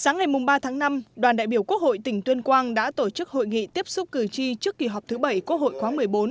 ngày ba tháng năm đoàn đại biểu quốc hội tỉnh tuyên quang đã tổ chức hội nghị tiếp xúc cử tri trước kỳ họp thứ bảy quốc hội khóa một mươi bốn